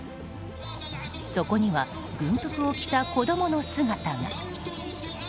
そこには、軍服を着た子供の姿が。